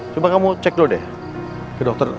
coba kamu cek dulu deh ke dokter